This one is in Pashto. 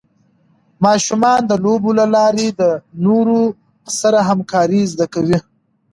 ماشومان د لوبو له لارې د نورو سره همکارۍ زده کوي.